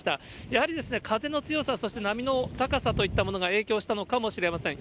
やはり風の強さ、そして波の高さといったものが影響したのかもしれません。